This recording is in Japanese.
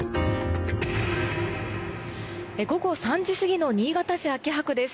午後３時過ぎの新潟市秋葉区です。